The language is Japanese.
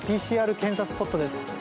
ＰＣＲ検査スポットです。